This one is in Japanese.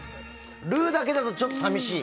ルーだけだとちょっと寂しい。